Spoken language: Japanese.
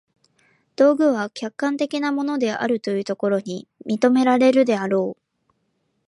道具は客観的なものであるというところに認められるであろう。